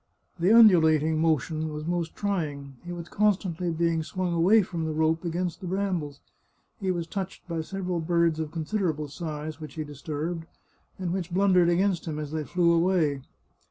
The undulating motion was most try ing; he was constantly being swung away from the rope against the brambles ; he was touched by several birds of con siderable size, which he disturbed, and which blundered against him as they flew away.